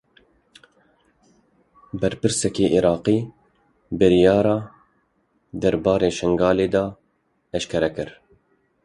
Berpirsekî Iraqî biryara derbarê Şingalê de eşkere kir.